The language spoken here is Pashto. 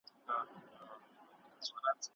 که ازموینه وي نو پایله نه ورکیږي.